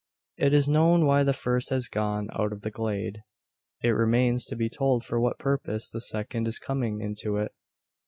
It is known why the first has gone out of the glade. It remains to be told for what purpose the second is coming into it.